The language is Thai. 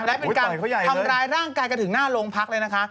และเป็นการทำร้ายร่างกายกันถึงหน้าโรงพักเลยนะคะ